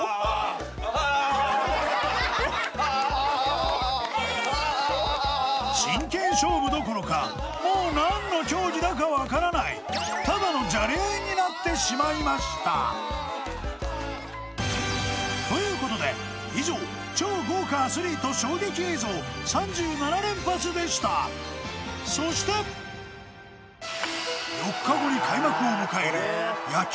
あ真剣勝負どころかもう何の競技だか分からないになってしまいましたということで以上超豪華アスリート衝撃映像３７連発でしたそして４日後に開幕を迎える野球